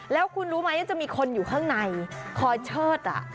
แล้วคุณรู้ไหมจะมีคนอยู่ข้างในคอยเชิด